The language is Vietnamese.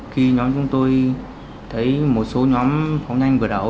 khi nhóm chúng tôi thấy một số nhóm phóng nhanh vượt ẩu